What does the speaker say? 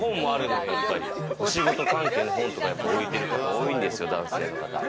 お仕事関係の本とか置いてる方多いですよ、男性とか。